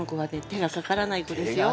手がかからない子ですよ。